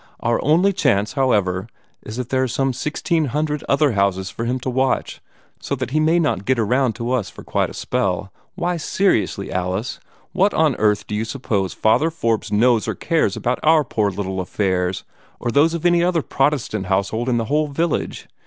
Our only chance, however, is that there are some sixteen hundred other houses for him to watch, so that he may not get around to us for quite a spell. Why, seriously, Alice, what on earth do you suppose Father Forbes knows or cares about our poor little affairs, or those of any other Protestant household in this whole village?